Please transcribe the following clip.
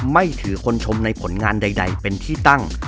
ไม่ถือคนชมในผลงานใดเป็นที่ตั้ง